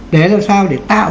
đấy là sao để tạo